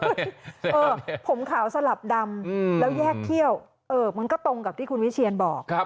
เออผมขาวสลับดำแล้วแยกเขี้ยวเออมันก็ตรงกับที่คุณวิเชียนบอก